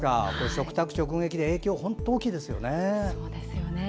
食卓、直撃で影響が大きいですよね。